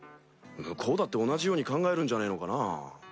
向こうだって同じように考えるんじゃねえのかな。